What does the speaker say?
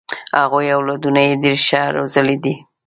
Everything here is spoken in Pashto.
هغوی اولادونه یې ډېر ښه روزلي دي.